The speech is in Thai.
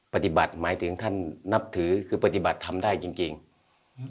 ปฏิบัติหมายถึงท่านนับถือคือปฏิบัติทำได้จริงจริงอืม